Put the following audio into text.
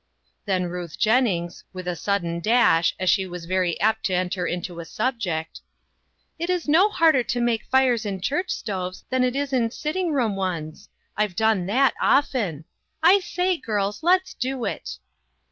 Then Ruth Jennings, with a sudden dash, as she was very apt to enter into a sub ject :" It is no harder to make fires in church stoves than it is in sitting room ones. I've done that often. I say, girls, let's do it